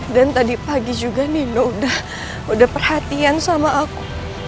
dan tadi pagi juga nino udah perhatian sama aku